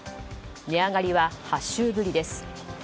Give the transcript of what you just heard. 値上がりは８週ぶりです。